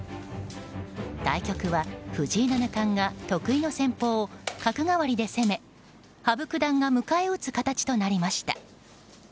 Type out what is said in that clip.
対局は藤井七冠が得意の戦法、角換わりで攻め羽生九段が迎え撃つ形となりました。